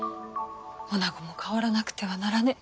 おなごも変わらなくてはならねぇ。